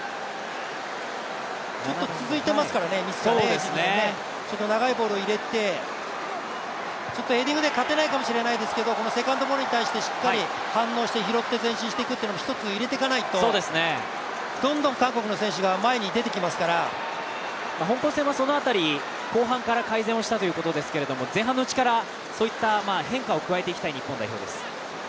ちょっと続いてますからね、ミスが長いボールを入れて、ヘディングで勝てないかもしれないですけど、セカンドボールに対して、しっかり反応して前進してくっていうのも一つ入れていかないとどんどん韓国の選手が香港戦はそのあたり、後半から改善したということですけど前半のうちからそういった変化を加えていきたい日本代表です。